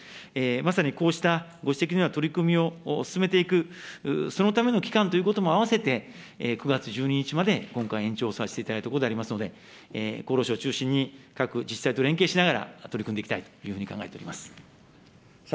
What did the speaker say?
まさにこうしたご指摘のような取り組みを進めていく、そのための期間ということも合わせて、９月１２日まで今回、延長させていただいたところでありますので、厚労省を中心に、各自治体と連携しながら取り組んでいきたいというふうに考えております。